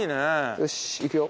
よしいくよ。